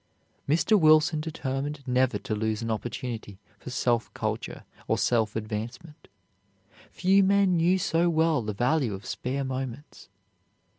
Mr. Wilson determined never to lose an opportunity for self culture or self advancement. Few men knew so well the value of spare moments.